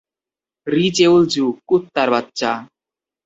রি চেউল জু, কুত্তার বাচ্চা!